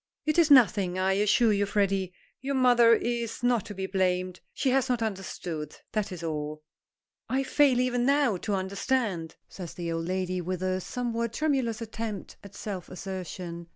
"It is nothing, I assure you, Freddy. Your mother is not to be blamed. She has not understood. That is all." "I fail even now to understand," says the old lady, with a somewhat tremulous attempt at self assertion.